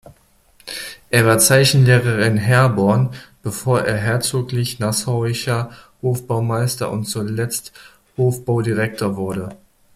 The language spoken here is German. Er war Zeichenlehrer in Herborn, bevor er herzoglich nassauischer Hofbaumeister und zuletzt "Hofbaudirektor" wurde.